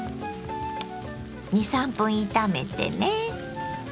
２３分炒めてね。